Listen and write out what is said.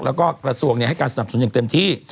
แล้วก็กระทรวงให้การสนับสนุนอย่างเต็มที่